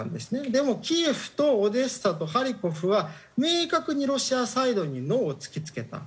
でもキーウとオデーサとハルキウは明確にロシアサイドにノーを突き付けた。